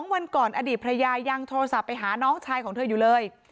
วันก่อนอดีตภรรยายังโทรศัพท์ไปหาน้องชายของเธออยู่เลย